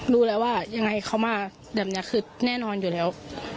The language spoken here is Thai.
รู้แล้วว่ายังไงเขามาแบบนี้คือแน่นอนอยู่แล้ว